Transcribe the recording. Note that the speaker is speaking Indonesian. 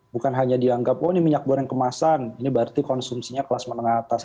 bukan hanya dianggap oh ini minyak goreng kemasan ini berarti konsumsinya kelas menengah atas